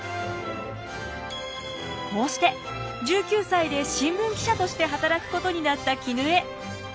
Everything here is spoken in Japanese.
こうして１９歳で新聞記者として働くことになった絹枝。